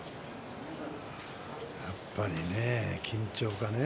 やっぱりね緊張かね。